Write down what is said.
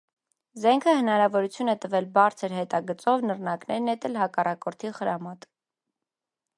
Զենքը հնարավորություն է տվել բարձր հետագծով նռնակները նետել հակառակորդի խրամատ։